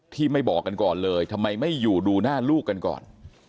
ไม่บอกกันก่อนเลยทำไมไม่อยู่ดูหน้าลูกกันก่อน